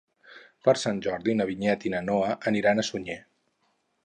Per Sant Jordi na Vinyet i na Noa aniran a Sunyer.